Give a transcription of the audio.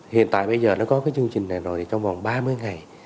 hiện tại bây giờ nó có cái chương trình này rồi trong vòng ba mươi ngày